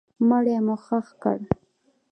مړی مو ښخ کړ.